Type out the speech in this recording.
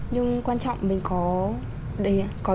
nhưng quan trọng là mình có